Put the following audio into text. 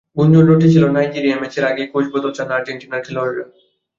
গুঞ্জন রটেছিল, নাইজেরিয়া ম্যাচের আগেই কোচ বদল চান আর্জেন্টিনার খেলোয়াড়েরা।